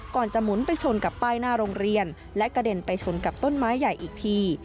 จะหมุนไปชนกับป้ายหน้าโรงเรียนและกระเด็นไปชนกับต้นไม้ใหญ่อีกที